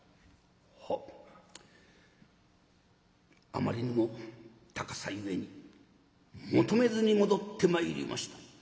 あまりにも高さゆえに求めずに戻ってまいりました」。